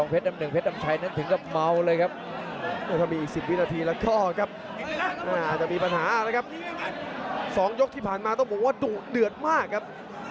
แพทย์น้ำชัยกำลังจะบิดกระทั่งทักติดครับ